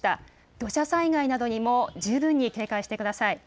土砂災害などにも十分に警戒してください。